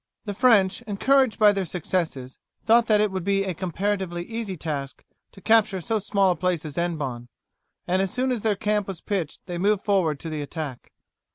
The French, encouraged by their successes, thought that it would be a comparatively easy task to capture so small a place as Hennebon, and as soon as their camp was pitched they moved forward to the attack.